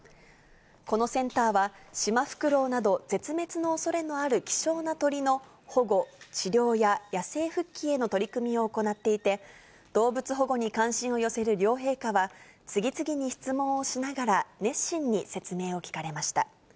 このセンターは、シマフクロウなど絶滅のおそれのある希少な鳥の保護、治療や野生復帰への取り組みを行っていて、動物保護に関心を寄せる両陛下は、次々に質問をしながら、熱心に説明を聞かれました。